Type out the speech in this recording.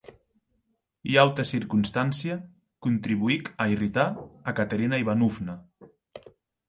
Ua auta circonstància contribuic a irritar a Caterina Ivanovna.